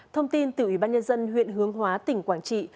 thông tin từ ủy ban nhân dân huyện hướng hóa tỉnh quảng trị